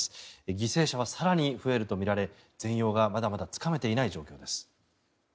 犠牲者は更に増えるとみられ全容がまだまだつかめていない状況です。